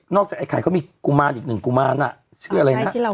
นอกจากไอ้ไข่เขามีกุมารอีกหนึ่งกุมารน่ะเชื่อเลยนะอ๋อใช่ที่เรา